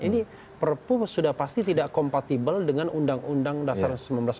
ini perpu sudah pasti tidak kompatibel dengan undang undang dasar seribu sembilan ratus empat puluh